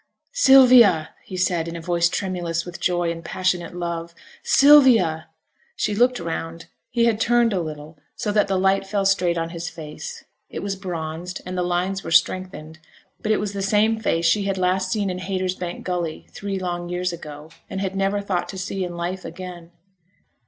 'Sylvia!' he said, in a voice tremulous with joy and passionate love. 'Sylvia!' She looked round; he had turned a little, so that the light fell straight on his face. It was bronzed, and the lines were strengthened; but it was the same face she had last seen in Haytersbank Gully three long years ago, and had never thought to see in life again.